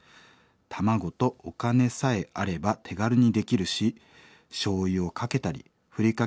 卵とお金さえあれば手軽にできるし醤油をかけたりふりかけをかけたり。